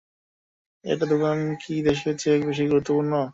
একটা দোকান কি দেশের চেয়ে বেশি গুরুত্বপূর্ণ?